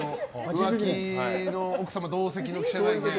浮気の奥様同席の記者会見。